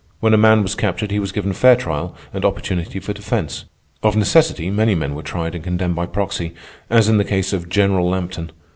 When a man was captured he was given fair trial and opportunity for defence. Of necessity, many men were tried and condemned by proxy, as in the case of General Lampton.